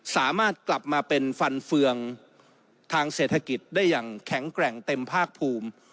สามารถกลับมาเป็นฟันเฟืองทางเศรษฐกิจได้อย่างแข็งแกร่งเต็มภาคภูมิ